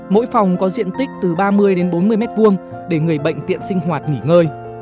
mỗi phòng có diện tích từ ba mươi đến bốn mươi m hai để người bệnh tiện sinh hoạt nghỉ ngơi